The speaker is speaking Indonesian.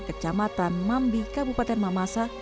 kecamatan mambi kabupaten mamasa